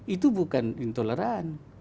itu bukan intoleransi